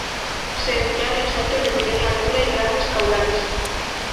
Se emplean en saltos de pequeña altura y grandes caudales.